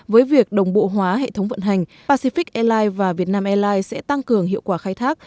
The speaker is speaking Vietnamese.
với việc đồng bộ hóa hệ thống vận hành pacific airlines và vietnam airlines sẽ tăng cường hiệu quả khai thác